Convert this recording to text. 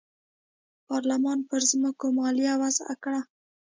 پارلمان پر ځمکو مالیه وضعه کړه.